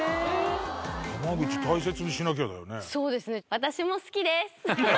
私も好きです。